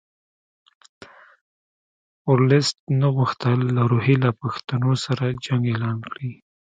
ورلسټ نه غوښتل له روهیله پښتنو سره جنګ اعلان کړي.